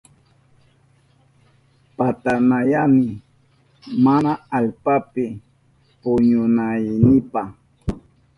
Patanayani mana allpapi puñunaynipa.